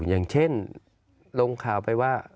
อย่างเช่นลงข่าวไปว่า